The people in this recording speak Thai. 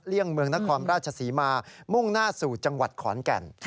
งเมืองนครราชศรีมามุ่งหน้าสู่จังหวัดขอนแก่น